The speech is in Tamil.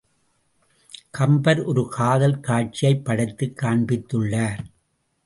கம்பர் ஒரு காதல் காட்சியைப் படைத்துக் காண்பித்துள்ளார்.